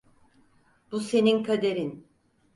Bu senin kaderin.